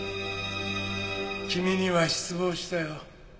君には失望したよ。